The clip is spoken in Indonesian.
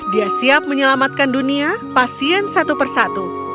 dia siap menyelamatkan dunia pasien satu persatu